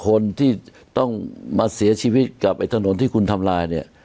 คนที่ต้องมาเสียชีวิตกับไอ้ถนนที่คุณทำลายเนี่ย